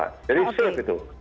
jadi safe itu